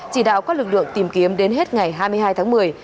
chỉ đạo các lực lượng tìm kiếm đến hết ngày hai mươi hai tháng một mươi